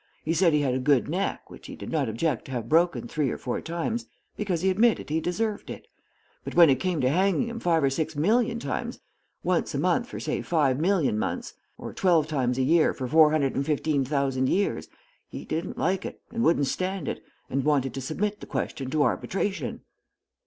He said he had a good neck, which he did not object to have broken three or four times, because he admitted he deserved it; but when it came to hanging him five or six million times, once a month, for, say, five million months, or twelve times a year for 415,000 years, he didn't like it, and wouldn't stand it, and wanted to submit the question to arbitration.